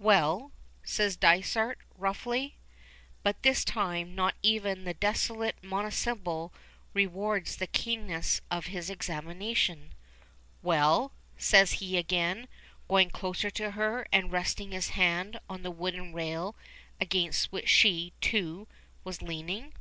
"Well?" says Dysart, roughly. But this time not even the desolate monosyllable rewards the keenness of his examination. "Well?" says he again, going closer to her and resting his hand on the wooden rail against which she, too, was leaning.